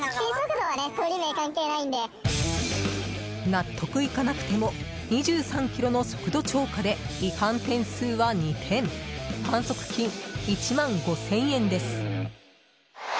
納得いかなくても２３キロの速度超過で違反点数は２点反則金１万５０００円です。